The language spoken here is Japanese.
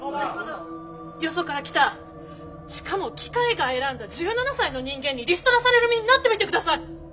よそから来たしかも機械が選んだ１７才の人間にリストラされる身になってみてください！